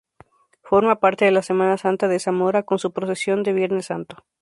Forma parte de la Semana Santa de Zamora con su procesión del Viernes Santo.